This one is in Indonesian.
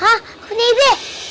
hah aku ngedit